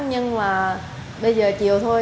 nhưng mà bây giờ chiều thôi